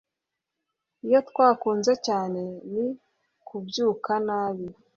Iyo twakunze cyane ni kubyuka nabi